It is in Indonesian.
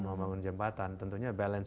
membangun jembatan tentunya balance